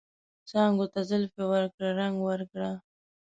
څانګو ته زلفې ورکړه ، رنګ ورکړه